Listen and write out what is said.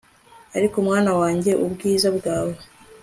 ariko, mwana wanjye, ubwiza bwawe